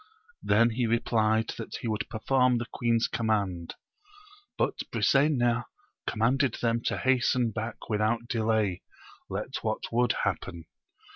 Then AMADIS OF GAUL. 179 he replied, that he would perform the queen's com mand. But Brisena commanded them to hasten back without delay, let what would happen.